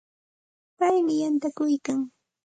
Paymi yantakuykan.